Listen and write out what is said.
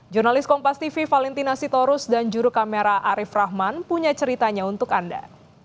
jurnalis kompas tv valentina sitorus dan juru kamera arief rahman punya ceritanya untuk anda